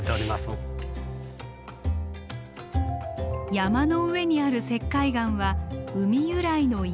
山の上にある石灰岩は海由来の岩。